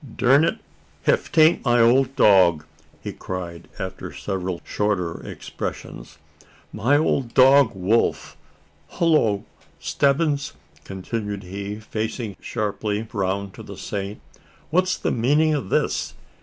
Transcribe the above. "Durn it, ef 'taint my ole dog!" cried he, after several shorter exclamations "my ole dog Wolf! Hullo, Stebbins!" continued he, facing sharply round to the Saint; "what's the meanin' o' this?